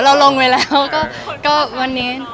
เราลงไปแล้วก็วันนี้